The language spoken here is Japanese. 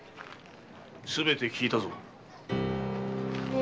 すべて聞いたぞ。